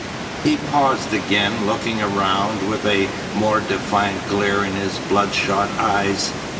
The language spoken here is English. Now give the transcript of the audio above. He paused again, looking around with a more defiant glare in his bloodshot eyes.